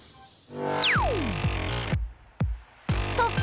ストップ！